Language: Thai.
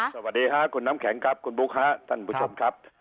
สวัสดีค่ะคุณน้ำแข็งครับคุณบุ๊คฮะท่านผู้ชมครับ